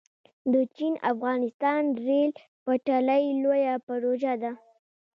د چین - افغانستان ریل پټلۍ لویه پروژه ده